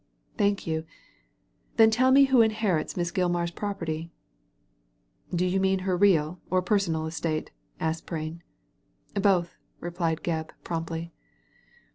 ^ Thank yoa Then tell me who inherits Miss Gilmar^s property ?"" Do you mean her real or personal estate ?" asked Prain. " Both," replied Gebb, promptly.